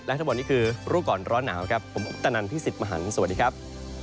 และทั้งหมดนี้คือรู้ก่อนร้อนหนาวครับผมคุกตะนันพี่สิทธิ์มหันฯสวัสดีครับ